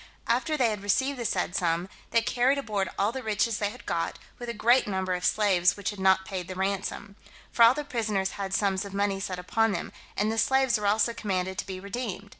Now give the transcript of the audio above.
After they had received the said sum, they carried aboard all the riches they had got, with a great number of slaves which had not paid the ransom; for all the prisoners had sums of money set upon them, and the slaves were also commanded to be redeemed.